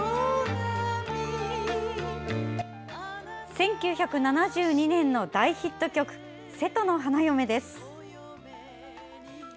１９７２年の大ヒット曲「瀬戸の花嫁」です。